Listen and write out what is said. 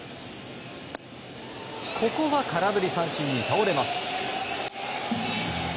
ここは空振り三振に倒れます。